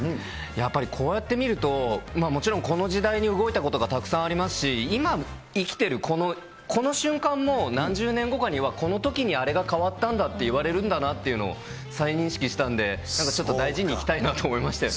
やっぱりこうやって見ると、もちろん、この時代に動いたことがたくさんありますし、今生きてるこの、この瞬間も、何十年後かにはこのときにあれが変わったんだっていわれるんだなっていうのを、再認識したんで、なんかちょっと大事に生きたいなと思いました。